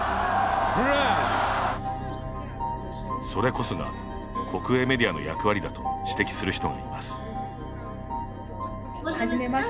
それこそが国営メディアの役割だと指摘する人がいます。